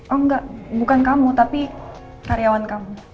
oh enggak bukan kamu tapi karyawan kamu